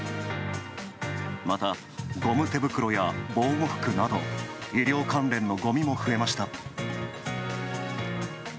また、ゴム手袋や防護服など、医療関連のごみも増えました。